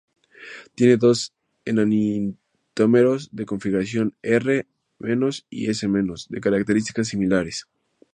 Tiene dos enantiómeros, de configuración R- y S- de características similares.